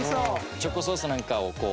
チョコソースなんかをこう。